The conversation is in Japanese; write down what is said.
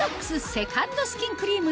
セカンドスキンクリーム